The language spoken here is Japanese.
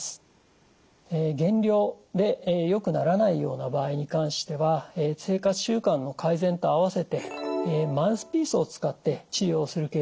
減量でよくならないような場合に関しては生活習慣の改善と併せてマウスピースを使って治療するケースもあります。